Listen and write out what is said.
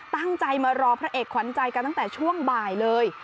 ตั้งใจมารอพระเอกขวัญใจกันตั้งแต่ช่วงบ่ายเลย